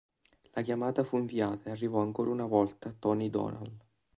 La chiamata fu inviata e arrivò ancora una volta Tony Dolan.